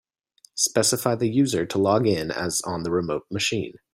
Specify the user to log in as on the remote machine.